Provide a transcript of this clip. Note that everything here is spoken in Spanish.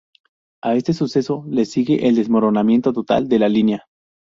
A este suceso le sigue el desmoronamiento total de la línea.